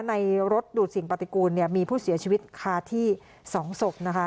ในรถดูดสิ่งปฏิกูลมีผู้เสียชีวิตคาที่๒ศพนะคะ